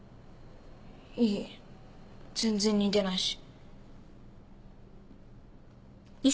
いい全然似てないし。